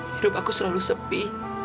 hidup aku selalu sepi